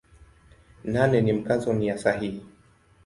Nane ni Mkazo nia sahihi.